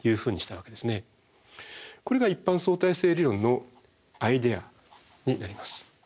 これが一般相対性理論のアイデアになります。